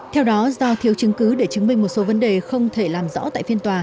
theo đó do thiếu chứng cứ để chứng minh một số vấn đề không thể làm rõ tại phiên tòa